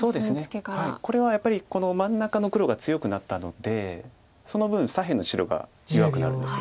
これはやっぱりこの真ん中の黒が強くなったのでその分左辺の白が弱くなるんです。